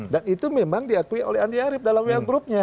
dan itu memang diakui oleh andi arief dalam vl groupnya